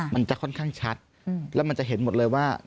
มันจะค่อนข้างชัดแล้วมันจะเห็นหมดเลยว่า